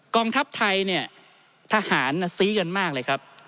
กองทัพไทยเนี่ยทหารซีกันมากเลยครับ